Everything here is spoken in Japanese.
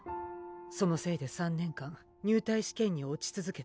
そのせいで３年間入隊試験に落ちつづけ